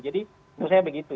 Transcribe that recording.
jadi menurut saya begitu